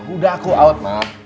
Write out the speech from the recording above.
udah aku out ma